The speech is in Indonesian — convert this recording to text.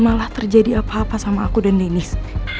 malah terjadi apa apa sama aku dan ninis